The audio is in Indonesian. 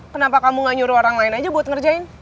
kenapa kamu gak nyuruh orang lain aja buat ngerjain